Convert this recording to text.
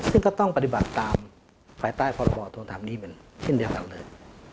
ซึ่งก็ต้องปฏิบัติตามฝ่ายใต้พอระบอสร้างตัวแบบนี้เป็นขึ้นเดียวกันเลย